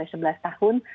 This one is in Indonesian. usia enam sebelas tahun